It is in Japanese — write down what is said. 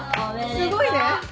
すごいね！